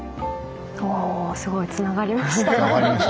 おおすごいつながりました。